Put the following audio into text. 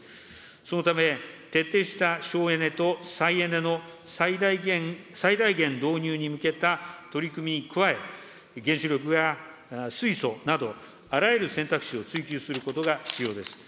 そのため、徹底した省エネと再エネの最大限、最大限導入に向けた取り組みに加え、原子力や水素など、あらゆる選択肢を追求することが必要です。